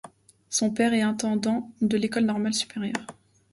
Son père est intendant de l'École normale supérieure.